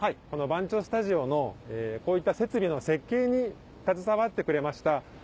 この番町スタジオのこういった設備の設計に携わってくれました